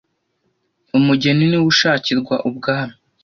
Umugeni niwe ushakirwa Ubwami :